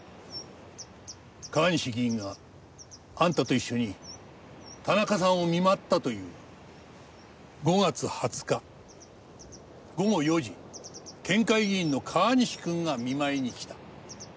川西議員があんたと一緒に田中さんを見舞ったという「５月２０日午後４時県会議員の川西君が見舞いに来た」。